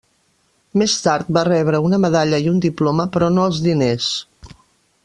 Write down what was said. Més tard va rebre una medalla i un diploma, però no els diners.